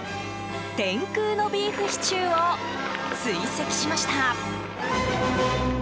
天空のビーフシチューを追跡しました。